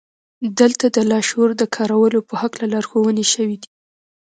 دلته د لاشعور د کارولو په هکله لارښوونې شوې دي